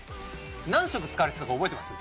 何色使われてたか覚えてます？